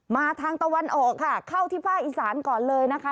มาทางตะวันออกค่ะเข้าที่ภาคอีสานก่อนเลยนะคะ